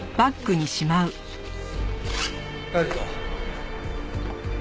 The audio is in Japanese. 帰るぞ。